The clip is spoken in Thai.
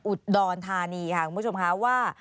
อุดรธานีค่ะคุณผู้ชมค่ะว่า